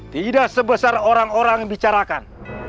tidak sebesar orang orang yang bicarakan